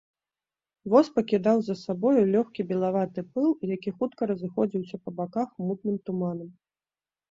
Воз пакідаў за сабою лёгкі белаваты пыл, які хутка разыходзіўся па баках мутным туманам.